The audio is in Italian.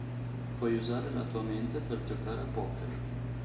Puoi usare la tua mente per giocare a poker.”.